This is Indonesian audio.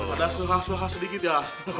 ada suha suha sedikit ya